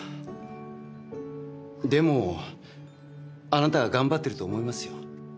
でもあなたは頑張ってると思いますよ。